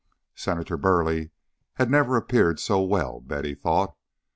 Senator Burleigh had never appeared so well, Betty thought.